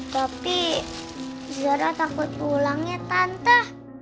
tapi zara takut pulangnya tante